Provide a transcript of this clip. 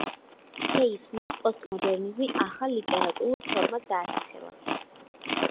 ჰეისმა პოსტმოდერნიზმი ახალ ლიტერატურულ ფორმად დაასახელა.